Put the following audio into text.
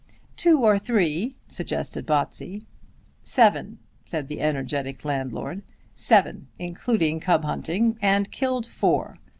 "Two or three," suggested Botsey. "Seven!" said the energetic landlord; "seven, including cub hunting, and killed four!